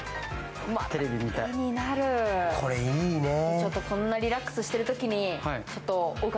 これいいねえ。